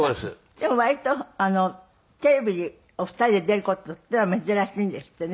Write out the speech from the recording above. でも割とテレビにお二人で出る事っていうのは珍しいんですってね？